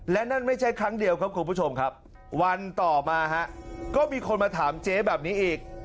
และนั่นไม่ใช่ครั้งเดียวครับคุณผู้ชมครับวันต่อมาฮะก็มีคนมาถามเจ๊แบบนี้อีก